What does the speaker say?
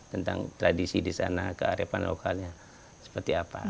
tentang tradisi di sana kearifan lokalnya seperti apa